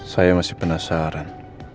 saya masih penasaran